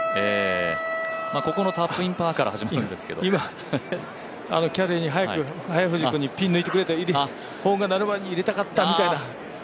ここのタップインパーから始まったんですけど今、キャディーに、早藤君に早くと、ホーンが鳴る前に入れたかったみたいな。